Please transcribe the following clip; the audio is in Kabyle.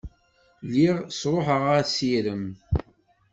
Lliɣ sṛuḥeɣ assirem.